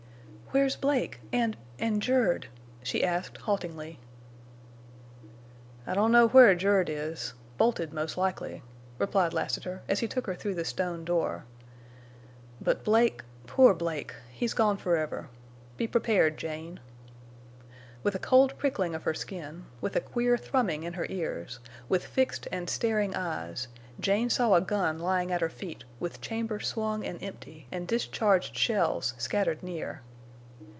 "Where's Blake—and—and Jerb?" she asked, haltingly. "I don't know where Jerb is. Bolted, most likely," replied Lassiter, as he took her through the stone door. "But Blake—poor Blake! He's gone forever!... Be prepared, Jane." With a cold prickling of her skin, with a queer thrumming in her ears, with fixed and staring eyes, Jane saw a gun lying at her feet with chamber swung and empty, and discharged shells scattered near.